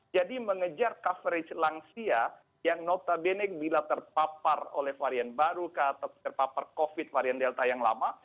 jadi mengejar coverage langsia yang notabene bila terpapar oleh varian baru atau terpapar covid varian delta yang lama